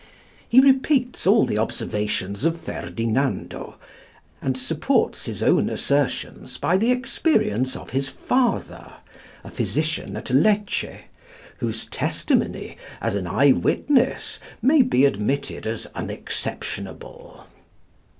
He repeats all the observations of Ferdinando, and supports his own assertions by the experience of his father, a physician at Lecce, whose testimony, as an eye witness, may be admitted as unexceptionable.